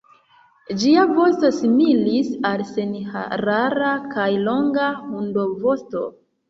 Ĝia vosto similis al senharara kaj longa hundovosto.